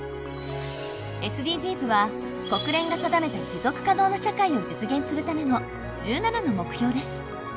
ＳＤＧｓは国連が定めた持続可能な社会を実現するための１７の目標です。